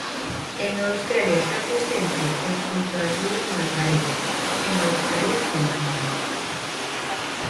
En Australia está presente en junto al río Margaret, en Australia Occidental.